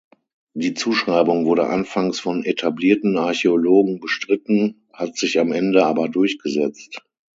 Die Zuschreibung wurde anfangs von etablierten Archäologen bestritten, hat sich am Ende aber durchgesetzt.